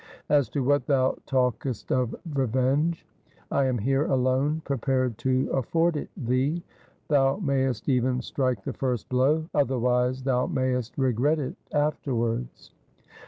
As to what thou talkest of revenge, I am here alone prepared to afford it thee. Thou mayest even strike the first blow, otherwise thou may est regret it afterwards.'